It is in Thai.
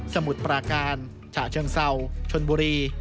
มุดปราการฉะเชิงเศร้าชนบุรี